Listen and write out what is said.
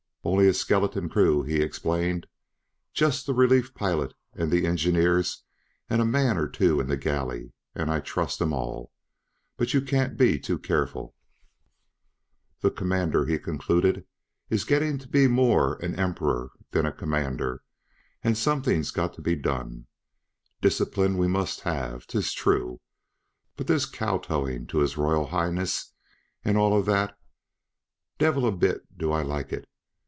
"Only a skeleton crew," he explained. "Just the relief pilot and the engineers and a man or two in the galley, and I trust 'em all. But you can't be too careful. "The Commander," he concluded, "is gettin' to be more an emperor than a Commander, and somethin's got to be done. Discipline we must have, 'tis true; but this kotowin' to His Royal Highness and all o' that devil a bit do I like it!